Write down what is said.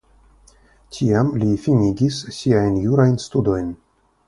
Tiam li finigis siajn jurajn studojn.